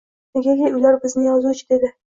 Negaki, ular bizni yozuvchi dedi.